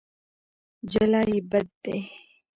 جلايي بد دی.